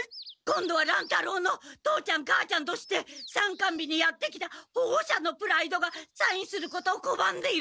今度は乱太郎の父ちゃん母ちゃんとして参観日にやって来たほごしゃのプライドがサインすることをこばんでいるのね！